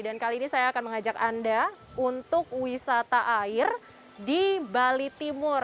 dan kali ini saya akan mengajak anda untuk wisata air di bali timur